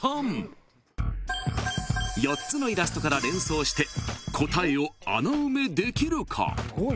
［４つのイラストから連想して答えを穴埋めできるか？］